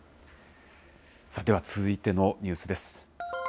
では続いてのニュースです。